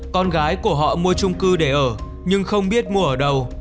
con gái của họ mua trung cư để ở nhưng không biết mua ở đâu